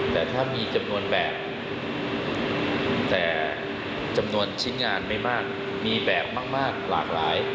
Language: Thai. แต่ถ้ามีจำนวนแบบแต่จำนวนชิ้นงานไม่มากมีแบบมากหลากหลาย